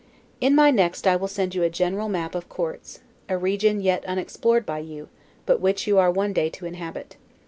In my next I will send you a general map of courts; a region yet unexplored by you, but which you are one day to inhabit.